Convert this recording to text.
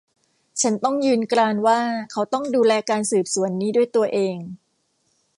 ฉันต้องยืนกรานว่าเขาต้องดูแลการสืบสวนนี้ด้วยตัวเอง